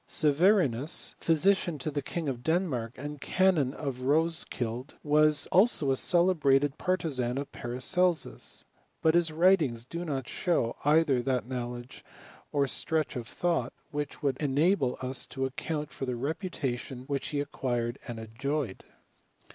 Severinus, physician to the Sang of Denmark, and canon of Roe^ kild, was also a celebrated partisan of Paracebusf but his writings do not show either that knowledge m stretch of thought which would enable us to accofuai for the reputation which he acquired and enjoyed.